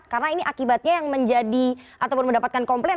karena ini akibatnya yang menjadi atau mendapatkan komplain